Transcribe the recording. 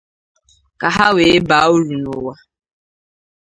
ka ha wee baa uru n'ụwa.